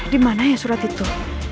dimana ya surat itu